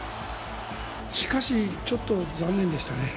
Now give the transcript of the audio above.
しかしちょっと残念でしたね。